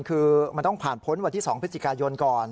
คือมันต้องผ่านพ้นวันที่๒พฤศจิกายนก่อน